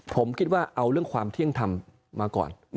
ผมคิดว่าเอาเรื่องความเที่ยงธรรมมาก่อน